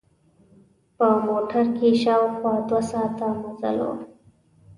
په موټر کې شاوخوا دوه ساعته مزل و.